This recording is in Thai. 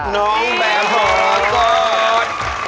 น้องแบมมรกฏน้องแบมมรกฏ